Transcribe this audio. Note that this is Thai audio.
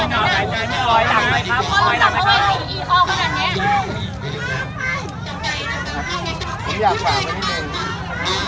แต่มันเป็นการแสดงที่เราแตกต่างจากประเทศอื่นอีก